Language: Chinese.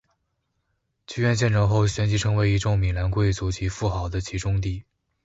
剧院建成后旋即成为一众米兰贵族及富豪的集中地。